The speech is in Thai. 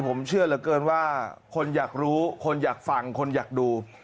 ผมเชื่อเหลือเกินว่าคนอยากรู้คนอยากฟังคนอยากดู